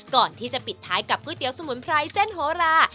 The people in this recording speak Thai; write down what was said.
ก่อนที่จะปิดท้ายกับก๋วยเตี๋ยวสมุนไพรเส้นโหรา